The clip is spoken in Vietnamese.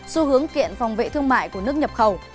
xu hướng kiện phòng vệ thương mại của nước nhập khẩu